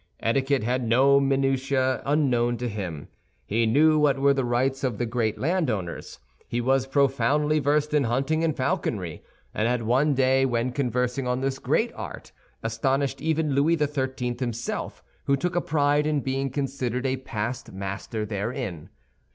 Etiquette had no minutiæ unknown to him. He knew what were the rights of the great land owners. He was profoundly versed in hunting and falconry, and had one day when conversing on this great art astonished even Louis XIII. himself, who took a pride in being considered a past master therein.